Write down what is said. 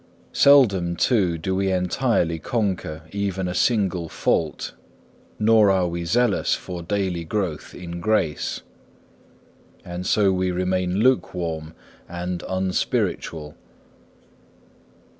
Seldom, too, do we entirely conquer even a single fault, nor are we zealous for daily growth in grace. And so we remain lukewarm and unspiritual.